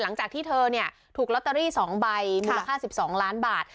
หลังจากที่เธอถูกลอตเตอรี่๒ใบมูลค่า๑๒ล้านบาท